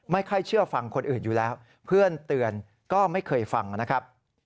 ไม่ค่อยเชื่อฟังคนอื่นอยู่แล้วเพื่อนเตือนก็ไม่เคยฟังนะครับ